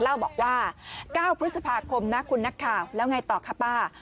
เล่าบอกว่า๙พฤษภาคมนะคุณนักข่าวแล้วไงต่อคะป้า